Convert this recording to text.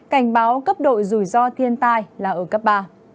cảnh báo cấp độ rủi ro thiên tai là ở cấp ba